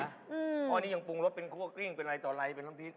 อันนี้ยังปรุงรถเป็นกุ๊กกลิ้งเป็นไรต่อไร